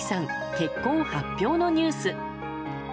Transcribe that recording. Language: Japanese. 結婚発表のニュース。